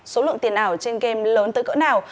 số lượng tiền ảo trên game lớn tới cỡ nào